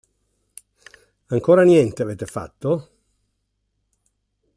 Ancora niente avete fatto?